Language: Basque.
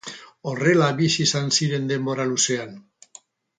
Horrela bizi izan ziren denbora luzean